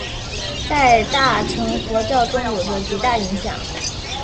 在大乘佛教中有着极大影响。